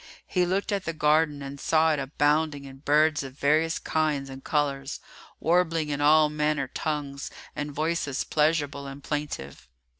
He looked at the garden and saw it abounding in birds of various kinds and colours, warbling in all manner tongues and voices, pleasurable and plaintive.